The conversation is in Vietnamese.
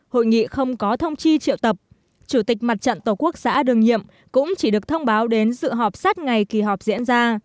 hội nghị không có thông chi triệu tập chủ tịch mật trận tổ quốc xã đường nhiệm cũng chỉ được thông báo đến dự họp sát ngày kỳ họp diễn ra